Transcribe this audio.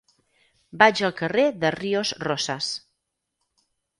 Vaig al carrer de Ríos Rosas.